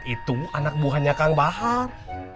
itu anak buahnya kang bahar